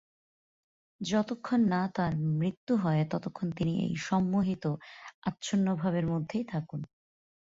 যতক্ষণ-না তাঁর মৃত্যু হয় ততক্ষণ তিনি এই সম্মোহিত, আচ্ছন্নভাবের মধ্যেই থাকুন।